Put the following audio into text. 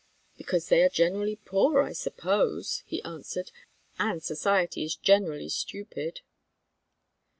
"Because they are generally poor, I suppose," he answered; "and society is generally stupid."